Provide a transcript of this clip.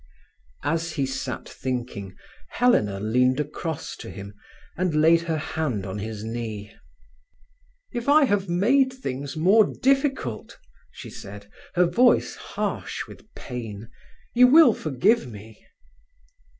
As he sat thinking, Helena leaned across to him and laid her hand on his knee. "If I have made things more difficult," she said, her voice harsh with pain, "you will forgive me."